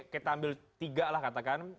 kita ambil tiga lah katakan